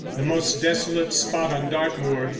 The most desolate spot on Dartmoor.